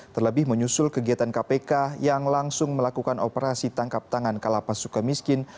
terlebih menyusul kegiatan kpk yang langsung melakukan operasi tangkap tangan kalapas suka miskin